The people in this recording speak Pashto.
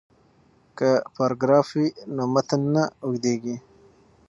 که پاراګراف وي نو متن نه اوږدیږي.